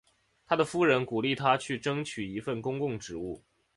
他的夫人鼓励他去争取一份公共职务。